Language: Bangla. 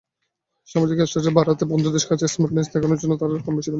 সামাজিক স্ট্যাটাস বাড়াতে, বন্ধুদের কাছে স্মার্টনেস দেখানোর জন্য তারা কমবেশি ধূমপান করে।